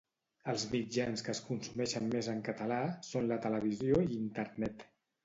Els mitjans que es consumeixen més en català són la televisió i internet.